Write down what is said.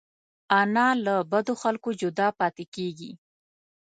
انا له بدو خلکو جدا پاتې کېږي